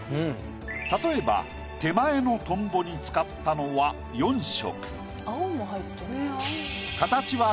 例えば手前のトンボに使ったのは４色。